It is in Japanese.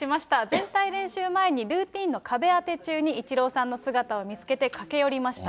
全体練習前にルーティンの壁当て前にイチローさんの姿を見つけて駆け寄りました。